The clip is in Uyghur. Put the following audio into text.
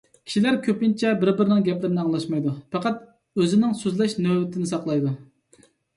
كىشىلەر كۆپىنچە بىر-بىرىنىڭ گەپلىرىنى ئاڭلاشمايدۇ، پەقەت ئۆزىنىڭ سۆزلەش نۆۋىتىنى ساقلايدۇ.